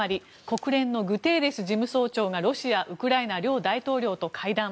国連のグテーレス事務総長がロシア、ウクライナ両大統領と会談。